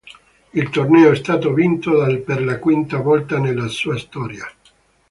Il torneo è stato vinto dal per la quinta volta nella sua storia.